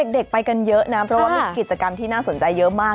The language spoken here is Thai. เด็กไปกันเยอะนะเพราะว่ามีกิจกรรมที่น่าสนใจเยอะมาก